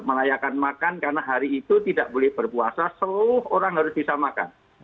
merayakan makan karena hari itu tidak boleh berpuasa seluruh orang harus bisa makan